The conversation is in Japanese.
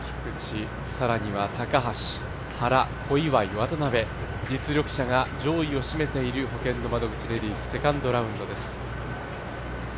渡邉、小祝、原と実力者が上位を占めているほけんの窓口レディースセカンドラウンドです。